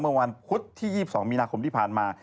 เมื่อวันพุธที่๒๒มีนาคมที่ผ่านมา